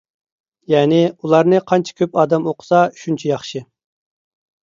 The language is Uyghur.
يەنى، ئۇلارنى قانچە كۆپ ئادەم ئوقۇسا شۇنچە ياخشى.